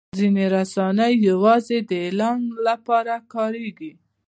ځینې رسنۍ یوازې د اعلان لپاره کارېږي.